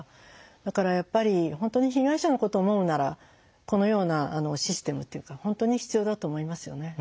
だからやっぱり本当に被害者のことを思うならこのようなシステムっていうか本当に必要だと思いますよね。